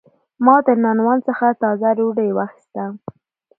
ما د نانوان څخه تازه ډوډۍ واخیسته.